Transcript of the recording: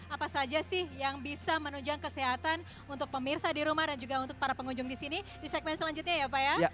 apa saja sih yang bisa menunjang kesehatan untuk pemirsa di rumah dan juga untuk para pengunjung di sini di segmen selanjutnya ya pak ya